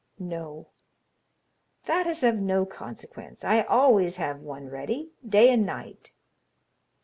"No." "That is of no consequence; I always have one ready, day and night."